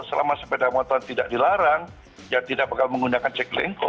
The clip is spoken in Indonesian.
selama sepeda motor tidak dilarang ya tidak bakal menggunakan jaklingko